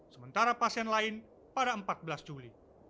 sementara pasien lain pada empat belas juli